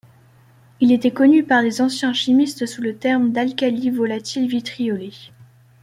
Il était connu par les anciens chimistes sous le terme d'alcali volatil vitriolé.